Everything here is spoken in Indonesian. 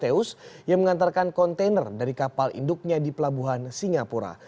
satu lima ratus teus yang mengantarkan kontainer dari kapal induknya di pelabuhan singapura